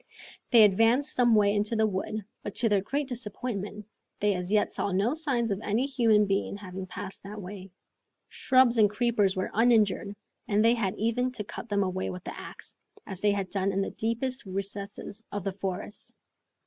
They advanced some way into the wood, but to their great disappointment, they as yet saw no signs of any human being having passed that way. Shrubs and creepers were uninjured, and they had even to cut them away with the axe, as they had done in the deepest recesses of the forest.